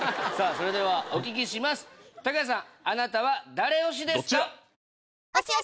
それではお聞きしますたくやさんはい！